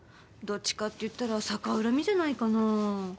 どっちかって言ったら逆恨みじゃないかな？